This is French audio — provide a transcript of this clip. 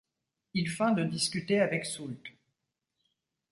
Il feint de discuter avec Soult.